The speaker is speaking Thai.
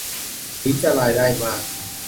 ถึงจะรายได้มาก